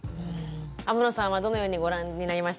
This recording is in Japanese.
天野さんはどのようにご覧になりましたか？